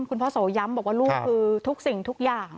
คุณพ่อโสย้ำบอกว่าลูกคือทุกสิ่งทุกอย่าง